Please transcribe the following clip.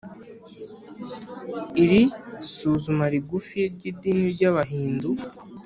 iri suzuma rigufi ry’idini ry’abahindu